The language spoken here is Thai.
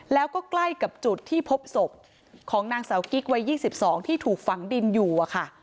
แล้วก็ใกล้กับจุดที่พบศพของนางสาวกิ๊กวัย๒๒ที่ถูกฝังดินอยู่อะค่ะ